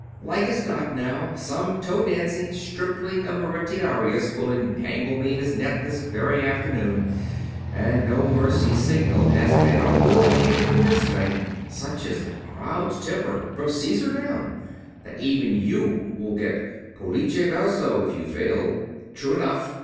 Like as not, now, some toe dancing stripling of a retiarius will entangle me in his net this very afternoon, and no mercy signal has been or will be given this day. Such is the crowd's temper, from Caesar down, that even you will get 'Pollice verso' if you fall." "True enough.